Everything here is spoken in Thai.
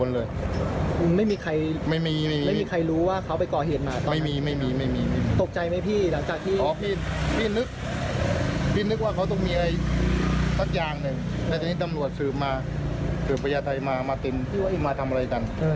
ในสักทีนี้ตำรวจสืบประยะไทยมามาทำอะไรจัง